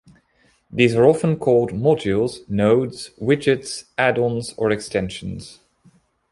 These are often called modules, nodes, widgets, add-ons, or extensions.